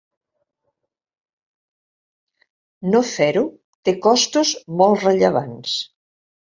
No fer-ho té costos molt rellevants.